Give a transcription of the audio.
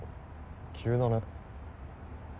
急だね。